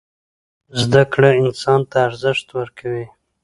زدکړه انسان ته ارزښت ورکوي.